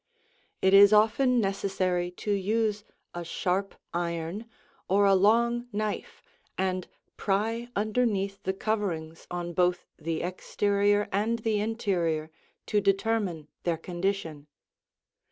It is often necessary to use a sharp iron or a long knife and pry underneath the coverings on both the exterior and the interior to determine their condition.